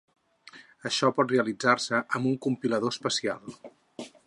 Això pot realitzar-se amb un compilador especial.